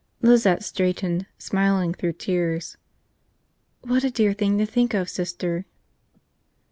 Lizette straightened, smiling through tears. "What a dear thing to think of, Sister."